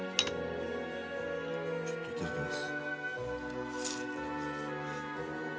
ちょっといただきます。